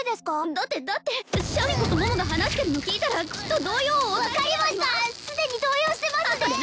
だってだってシャミ子と桃が話してるの聞いたらきっと動揺を分かりましたすでに動揺してますね